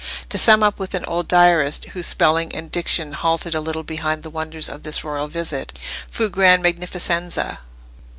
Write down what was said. To sum up with an old diarist, whose spelling and diction halted a little behind the wonders of this royal visit,—"fù gran magnificenza."